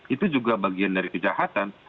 itu juga bagian dari kejahatan